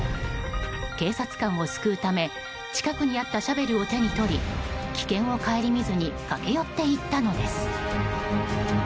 警察官を救うため近くにあったシャベルを手に取り危険を顧みずに駆け寄っていったのです。